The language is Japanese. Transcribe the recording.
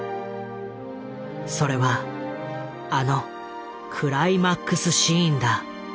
それはあのクライマックスシーンだ。